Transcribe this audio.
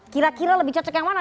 kira kira lebih cocok yang mana